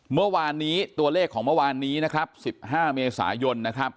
เมื่อวานนี้ตัวเลขของเมื่อวานนี้๑๕เมษายน